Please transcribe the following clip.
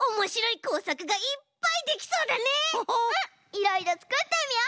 いろいろつくってみよう！